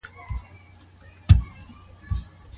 ناروغانو ته تغذیه د نل له لاري څنګه کیږي؟